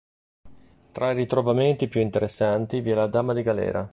Tra i ritrovamenti più interessanti vi è la Dama di Galera.